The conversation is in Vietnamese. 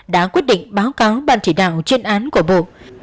đã quyết định báo cáo ban chỉ đạo chuyên án của bộ